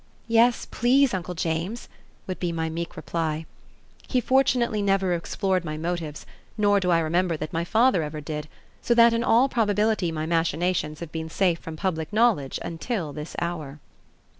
"Yes, please, Uncle James," would be my meek reply. He fortunately never explored my motives, nor do I remember that my father ever did, so that in all probability my machinations have been safe from public knowledge until this hour.